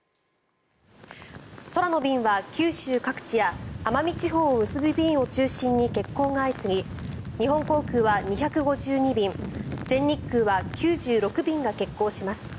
空の便は九州各地や奄美地方を結ぶ便を中心に欠航が相次ぎ日本航空は２５２便全日空は９６便が欠航します。